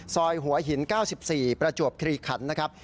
ซอยหัวหิน๙๔ประจวบคลีขันนะครับ